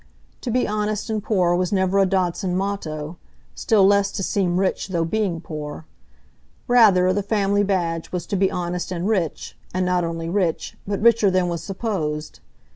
To be honest and poor was never a Dodson motto, still less to seem rich though being poor; rather, the family badge was to be honest and rich, and not only rich, but richer than was supposed.